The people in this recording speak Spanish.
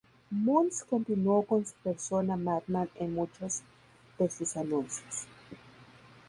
Muntz continuó con su persona "Madman" en muchos de sus anuncios.